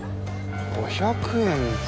５００円か。